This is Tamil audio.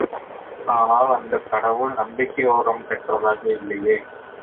ஆனால் அந்தக் கடவுள் நம்பிக்கை உரம் பெற்றதாக இல்லையே.